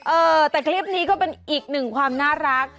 เออแต่คลิปนี้ก็เป็นอีกหนึ่งความน่ารัก